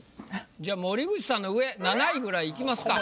じゃあ森口さんの上７位ぐらいいきますか。